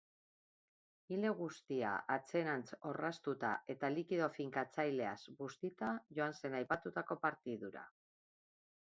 Ile guztia atzerantz orraztuta eta likido finkatzaileaz bustita joan zen aipatutako partidura.